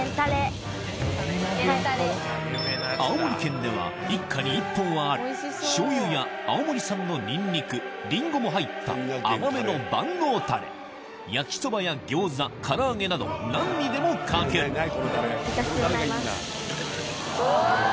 青森県では一家に１本はあるしょうゆや青森産のニンニクりんごも入った甘めの万能タレ焼きそばや餃子唐揚げなど何にでもかけるおぉ！